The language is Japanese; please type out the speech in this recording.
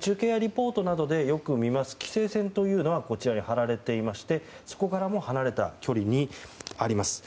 中継やリポートなどでよく見ます規制線というのはこちらに張られていましてそこからも離れた距離にあります。